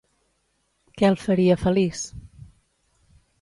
Què el faria feliç?